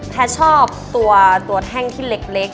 ชอบตัวแท่งที่เล็ก